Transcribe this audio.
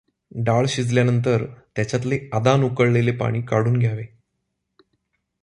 डाळ शिजल्यानंतर त्याच्यातले आदान उकळलेले पाणी काढून घ्यावे.